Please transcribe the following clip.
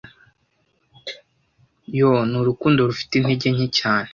Yoo! ni urukundo rufite intege nke cyane